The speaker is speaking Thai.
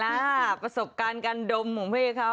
เป็นไงล่ะประสบการณ์การดมของพี่เขา